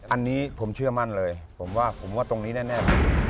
อันนี้ผมเชื่อมั่นเลยผมว่าผมว่าตรงนี้แน่